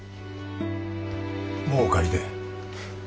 もうお帰りで？